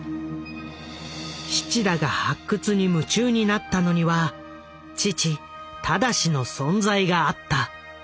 七田が発掘に夢中になったのには父忠志の存在があった。